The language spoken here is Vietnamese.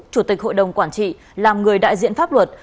chủ tịch hội đồng quản trị làm người đại diện pháp luật